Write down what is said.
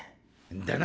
だな。